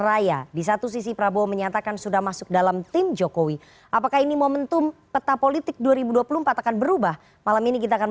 ada deklarator ganjarian spartan